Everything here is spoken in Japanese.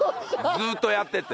ずっとやってて。